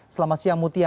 selamat siang mutia